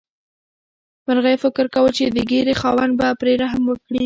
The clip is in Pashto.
مرغۍ فکر کاوه چې د ږیرې خاوند به پرې رحم وکړي.